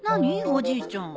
おじいちゃん。